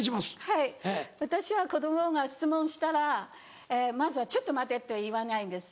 はい私は子供が質問したらまずは「ちょっと待って」って言わないんです。